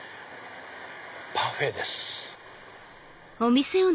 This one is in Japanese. パフェです。